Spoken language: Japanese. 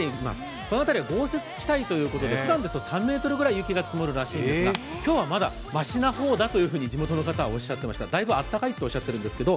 この辺りは豪雪地帯ということでふだんですと３ｍくらい雪が積もるらしいですが今日はまだましな方だと地元の方はおっしゃっていました、だいぶ暖かいんですけれども。